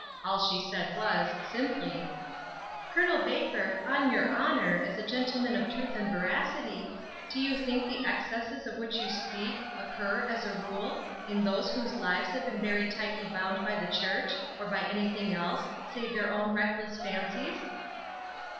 All she said was, simply: "Col. Baker, on your honor, as a gentleman of truth and veracity, do you think the excesses of which you speak, occur, as a rule, in those whose lives have been very tightly bound by the church, or by anything else, save their own reckless fancies?"